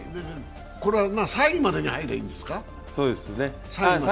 ３位までに入りゃいいんですか？